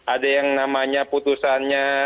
ada yang namanya putusannya